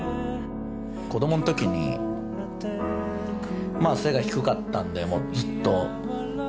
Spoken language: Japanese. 子供のときに、まあ背が低かったんで、ずっと。